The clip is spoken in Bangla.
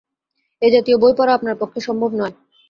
এ জাতীয় বই পড়া আপনার পক্ষে সম্ভব নয়।